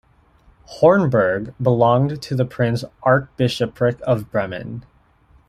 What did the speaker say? Horneburg belonged to the Prince-Archbishopric of Bremen.